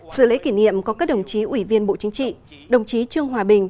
sự lễ kỷ niệm có các đồng chí ủy viên bộ chính trị đồng chí trương hòa bình